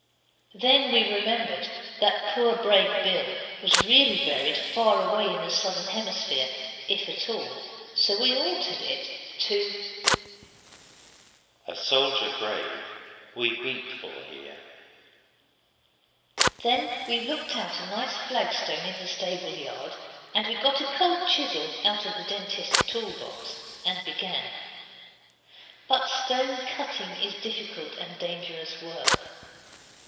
Then we remembered that poor brave Bill was really buried far away in the Southern hemisphere, if at all. So we altered it to 'A soldier brave We weep for here.' Then we looked out a nice flagstone in the stable yard, and we got a cold chisel out of the Dentist's toolbox, and began. But stone cutting is difficult and dangerous work.